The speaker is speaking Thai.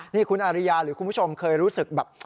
นี่คุณอาริยาหรือคุณผู้ชมเคยรู้สึกแบบ